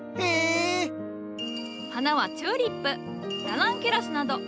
花はチューリップラナンキュラスなど。